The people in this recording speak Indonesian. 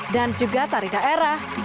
dan juga tari daerah